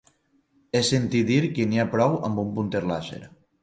He sentit dir que n'hi ha prou amb un punter làser.